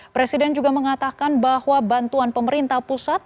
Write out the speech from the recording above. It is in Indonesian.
presiden juga mengatakan bahwa bantuan pemerintah pusat